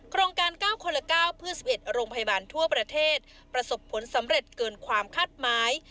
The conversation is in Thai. โครงการ๙คนละ๙เพื่อ๑๑โรงพยาบาลทั่วประเทศประสบผลสำเร็จเกินความคาดหมาย